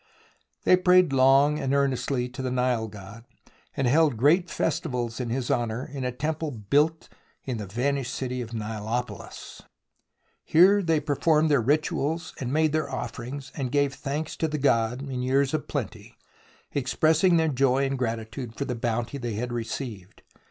They prayed long and earnestly to the Nile god, and held great festivals in his honour in a temple I f~ X •/C c ^ u < s < THE ROMANCE OF EXCAVATION 37 built in the vanished city of Nilopolis. Here they performed their rituals and made their offerings, and gave thanks to the god in years of plenty, expressing their joy and gratitude for the bounty they had received.